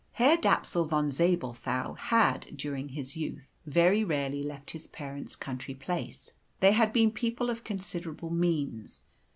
Herr Dapsul von Zabelthau had, during his youth, very rarely left his parents' country place. They had been people of considerable means.